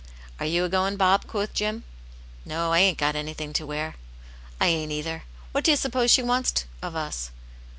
" Are you a going. Bob V^ quoth Jim. " No, I ain't got anything to wear. " I ain't either. What do you suppose she wants of us?"